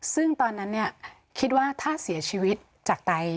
ซึ่งตอนนั้นคิดว่าถ้าเสียชีวิตจากไต